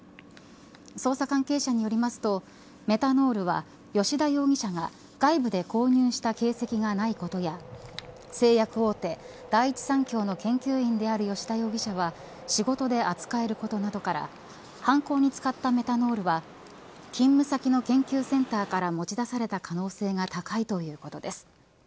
捜査関係者によりますとメタノールは吉田容疑者が外部で購入した形跡がないことや製薬大手・第一三共の研究員である吉田容疑者は仕事で扱えることなどから犯行に使ったメタノールは勤務先の研究センターから持ち出された可能性が高いということです。